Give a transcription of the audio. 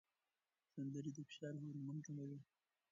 سندرې د فشار هورمون کموي.